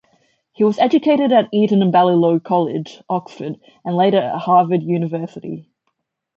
He was educated at Eton and Balliol College, Oxford, and later at Harvard University.